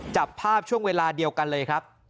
จับภาพช่วงเวลาเดียวกันเลยครับ